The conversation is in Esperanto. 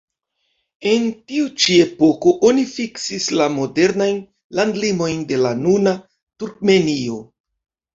En tiu ĉi epoko oni fiksis la modernajn landlimojn de la nuna Turkmenio.